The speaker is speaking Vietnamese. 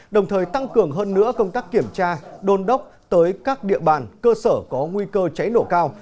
đồng thời tăng cường hơn nữa công tác kiểm tra đôn đốc tới các địa bàn cơ sở có nguy cơ cháy nổ cao